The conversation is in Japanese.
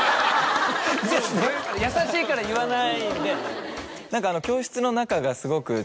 優しいから言わない。